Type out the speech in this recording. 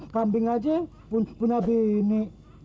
kambing aja punya bini